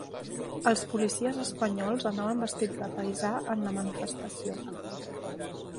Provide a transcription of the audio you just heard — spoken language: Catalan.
Els policies espanyols anaven vestits de paisà en la manifestació